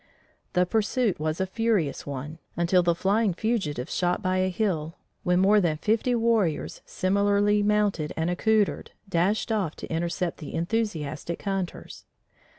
The pursuit was a furious one, until the flying fugitives shot by a hill, when more than fifty warriors similarly mounted and accoutred, dashed out to intercept the enthusiastic hunters.